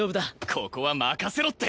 ここは任せろって！